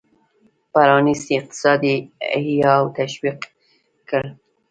پرانیستی اقتصاد یې حیه او تشویق کړ.